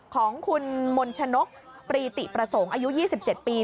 ของคุณมนชนกปรีติประสงค์อายุ๒๗ปี